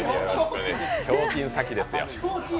ひょうきん咲希ですよ。